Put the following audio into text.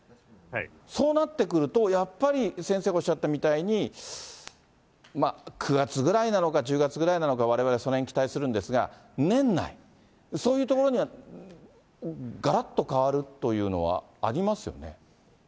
そうなってくると、やっぱり先生がおっしゃったみたいに、９月ぐらいなのか、１０月ぐらいなのか、われわれそのへんに期待するんですが、年内、そういうところにがらっと変わるというのはありますよね。